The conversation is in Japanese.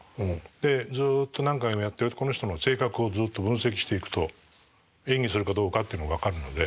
でずっと何回もやってこの人の性格をずっと分析していくと演技するかどうかってのが分かるので。